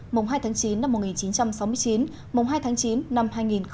mùng hai tháng chín năm một nghìn chín trăm sáu mươi chín mùng hai tháng chín năm hai nghìn một mươi chín